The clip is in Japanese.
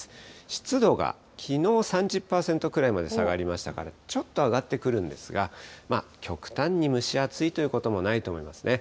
湿度が、きのう３０％ぐらいまで下がりましたから、ちょっと上がってくるんですが、極端に蒸し暑いということもないと思いますね。